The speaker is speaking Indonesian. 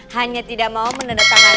hanya tidak mau menandatangani